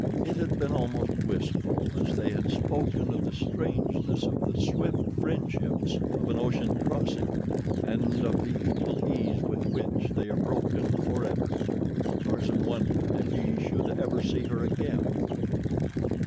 It had been almost wistful as they had spoken of the strangeness of the swift friendships of an ocean crossing, and of the equal ease with which they are broken forever. Tarzan wondered if he should ever see her again.